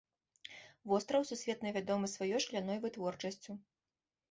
Востраў сусветна вядомы сваёй шкляной вытворчасцю.